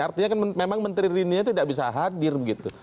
artinya kan memang menteri rinia tidak bisa hadir begitu